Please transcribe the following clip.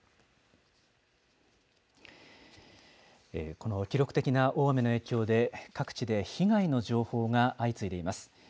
この記録的な大雨の影響で各地で被害の情報が相次いでいます。